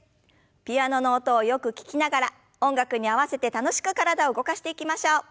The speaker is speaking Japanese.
ピアノの音をよく聞きながら音楽に合わせて楽しく体を動かしていきましょう。